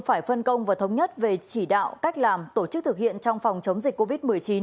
phải phân công và thống nhất về chỉ đạo cách làm tổ chức thực hiện trong phòng chống dịch covid một mươi chín